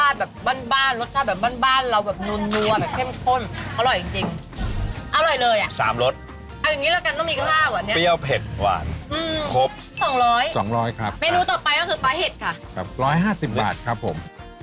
ธรรมชาติแบบบ้านรสชาติแบบบ้านเราแบบนัวแบบเข้มข้น